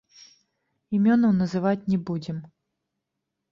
Імёнаў называць не будзем.